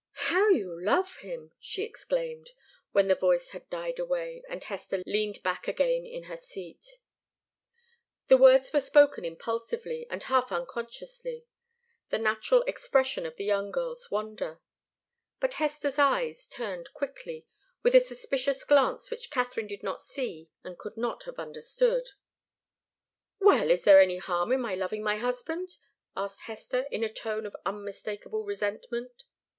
"How you love him!" she exclaimed, when the voice had died away, and Hester leaned back again in her seat. The words were spoken impulsively and half unconsciously the natural expression of the young girl's wonder. But Hester's eyes turned quickly, with a suspicious glance which Katharine did not see and could not have understood. "Well is there any harm in my loving my husband?" asked Hester, in a tone of unmistakable resentment.